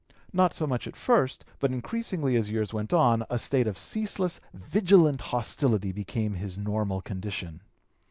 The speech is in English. Not so much at first, but increasingly as years went on, a state of ceaseless, vigilant hostility became his normal condition.